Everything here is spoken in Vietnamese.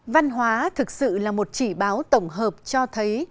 văn hóa thực sự là một chỉ báo tổng hợp cho thấy